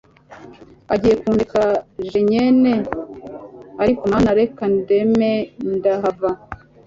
ugiye kundeka jenyene…Ariko Mana reka ndeme ndahava